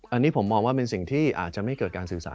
อันนี้ผมมองว่าเป็นสิ่งที่อาจจะไม่เกิดการสื่อสาร